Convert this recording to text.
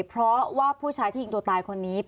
เพราะว่าผู้ชายที่ยิงตัวตายคนนี้